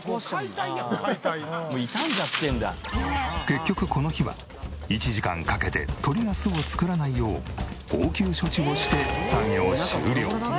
結局この日は１時間かけて鳥が巣を作らないよう応急処置をして作業終了。